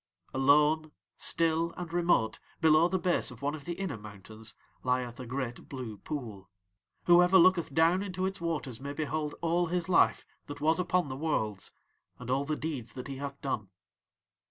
"'Alone, still and remote below the base of one of the inner mountains, lieth a great blue pool. "'Whoever looketh down into its waters may behold all his life that was upon the Worlds and all the deeds that he hath done.